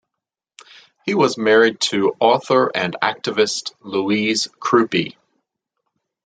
He was married to author and activitist Louise Cruppi.